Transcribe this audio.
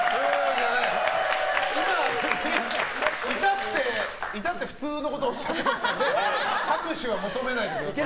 今、いたって普通のことをおっしゃってましたんで拍手は求めないでください。